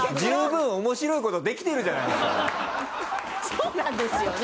そうなんですよね。